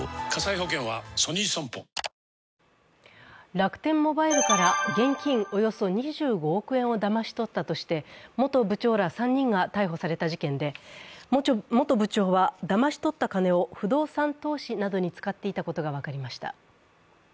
楽天モバイルから現金およそ２５億円をだまし取ったとして元部長ら３人が逮捕された事件で、本部長はだまし取った金を不動産投資などに使っていたことが分かりました。